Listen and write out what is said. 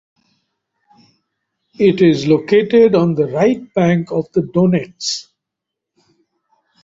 It is located on the right bank of the Donets.